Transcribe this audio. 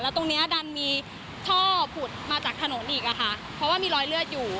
ตรงเนี้ยดันมีท่อผุดมาจากถนนอีกอะค่ะเพราะว่ามีรอยเลือดอยู่